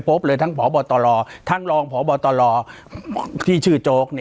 ปากกับภาคภูมิ